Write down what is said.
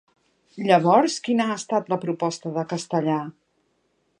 Llavors, quina ha estat la proposta de Castellà?